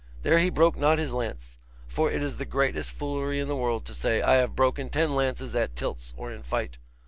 There he broke not his lance; for it is the greatest foolery in the world to say, I have broken ten lances at tilts or in fight.